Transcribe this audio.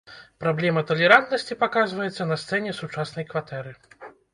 Праблема талерантнасці паказваецца на сцэне сучаснай кватэры.